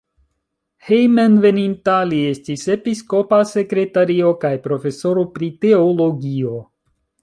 Hejmenveninta li estis episkopa sekretario kaj profesoro pri teologio.